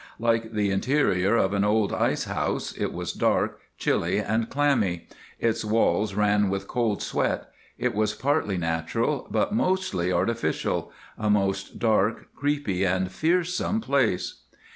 Like the interior of an old ice house, it was dark, chilly, and clammy; its walls ran with cold sweat. It was partly natural, but mostly artificial—a most dark, creepy, and fearsome place.